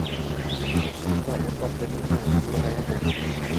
Unda, o‘rtoq Leninni... go‘ri qaerda?